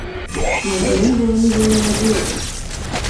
Nós não vamos em um avião.